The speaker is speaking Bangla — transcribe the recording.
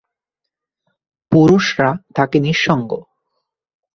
পুরুষরা থাকে নিঃসঙ্গ।